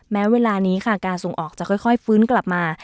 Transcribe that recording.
แม้เวลานี้ค่ะการส่งออกจะค่อยฟื้นกลับมา